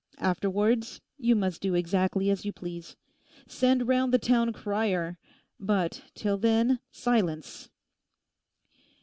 Afterwards you must do exactly as you please. Send round the Town Crier! But till then, silence!